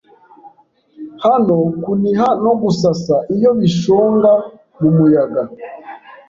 Hano kuniha no gusasa iyo bishonga mumuyaga